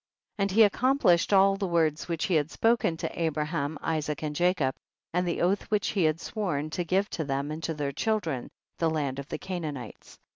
14. And he accomplished all the words which he had spoken to Abra ham, Isaac and Jacob, and the oath which he had sworn, to give to them and to their children, the land of the Canaanites.